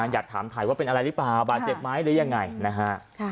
อยากถามถ่ายว่าเป็นอะไรหรือเปล่าบาดเจ็บไหมหรือยังไงนะฮะ